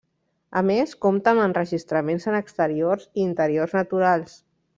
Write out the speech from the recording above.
A més, compta amb enregistraments en exteriors i interiors naturals.